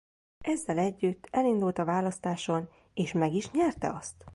Ezzel együtt elindult a választáson és meg is nyerte azt.